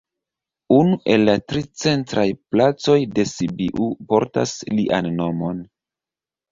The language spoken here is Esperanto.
Unu el la tri centraj placoj de Sibiu portas lian nomon.